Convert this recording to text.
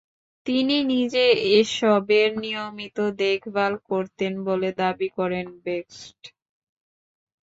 তিনি নিজে এসবের নিয়মিত দেখভাল করতেন বলে দাবি করেন বেক্সট।